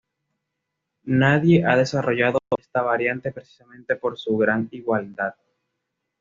Nadie ha desarrollado esta variante precisamente por su gran igualdad.